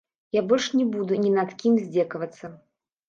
Я больш не буду ні над кім здзекавацца.